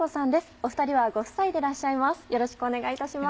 お２人はご夫妻でいらっしゃいます